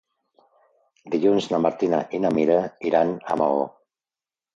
Dilluns na Martina i na Mira iran a Maó.